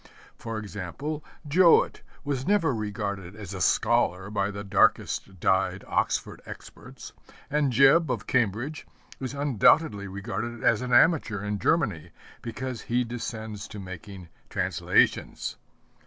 For instance, Jowett was never regarded as a scholar by the darkest dyed Oxford experts, and Jebb of Cambridge is undoubtedly regarded as an amateur in Germany, because he descends to making translations.